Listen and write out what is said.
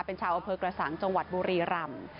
เป็นชาวอำเภอกระสังจังหวัดบุรีรำ